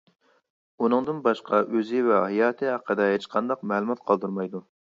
ئۇنىڭدىن باشقا ئۆزى ۋە ھاياتى ھەققىدە ھېچقانداق مەلۇمات قالدۇرمايدۇ.